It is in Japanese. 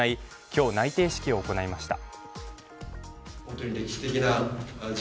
今日、内定式を行いました。